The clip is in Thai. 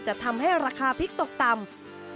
จะทำให้ราคาพริกตกต่ำ